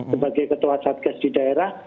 sebagai ketua satgas di daerah